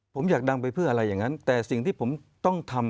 ผมอยากดังไปเพื่ออะไรอย่างนั้นแต่สิ่งที่ผมต้องทำ